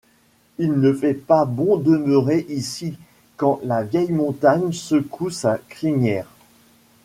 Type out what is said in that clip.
Il ne fait pas bon demeurer ici, quand la vieille montagne secoue sa crinière